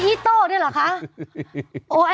มิชุนา